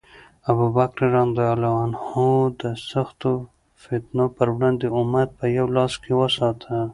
ابوبکر رض د سختو فتنو پر وړاندې امت په یو لاس کې وساته.